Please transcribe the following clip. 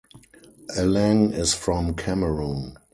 Alang is from Cameroon.